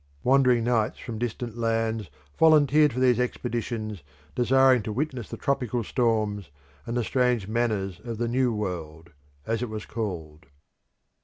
Wandering knights from distant lands volunteered for these expeditions desiring to witness the tropical storms and the strange manners of the New World, as it was called.